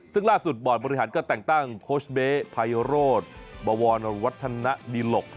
ซึ่งล่าสุดบอร์ดบริหารก็แต่งตั้งโค้ชเบ๊ไพโรธบวรวัฒนดิหลก